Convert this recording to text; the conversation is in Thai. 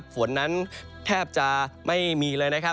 ฝนนั้นแทบจะไม่มีเลย